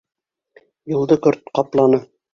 Юлды көрт ҡапланы.